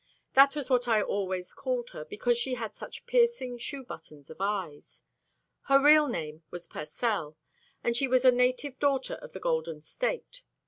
That was what I always called her, because she had such piercing shoe buttons of eyes. Her real name was Pursell, and she was a native daughter of the Golden State.